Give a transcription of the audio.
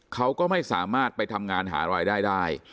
เขาก็ไม่สามารถไปทำงานหารายได้ได้